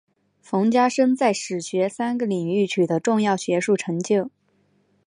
冯家升在史学三个领域取得重要学术成就。